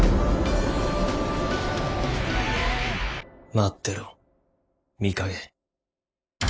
待ってろ美影。